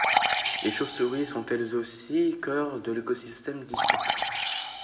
Les chauves-souris sont elles aussi cœur de l’écosystème du site.